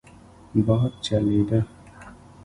باد چلېده.